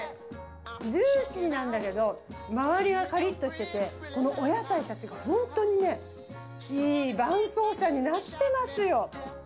ジューシーなんだけど、周りがかりっとしてて、このお野菜たちが本当にね、いい伴奏者になってますよ。